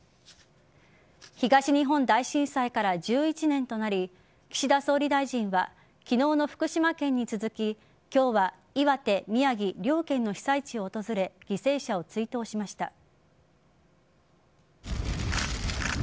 東日本大震災から１１年となり岸田総理大臣は昨日の福島県に続き今日は岩手、宮城両県の被災地を訪れ犠牲者を追悼しました。